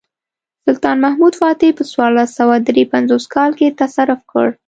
سلطان محمد فاتح په څوارلس سوه درې پنځوس کال کې تصرف کړ.